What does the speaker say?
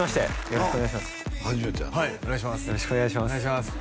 よろしくお願いします